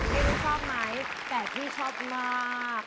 ไม่รู้ชอบไหมแต่พี่ชอบมาก